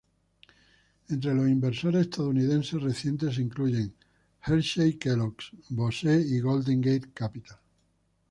Entre los inversores estadounidenses recientes se incluyen Hershey, Kellogg's, Bose y Golden Gate Capital.